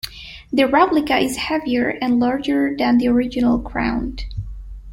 The replica is heavier and larger than the original Crown.